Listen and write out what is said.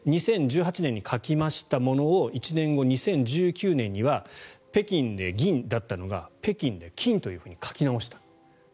２０１８年に書いたものを１年後、２０１９年には北京で銀だったのが北京で金と書き直した。